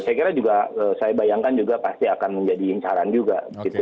saya kira juga saya bayangkan juga pasti akan menjadi incaran juga